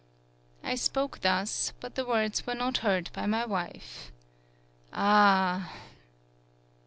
I spoke thus, but the words were not heard by my wife. Ah